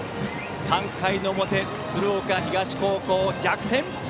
３回の表、鶴岡東高校、逆転！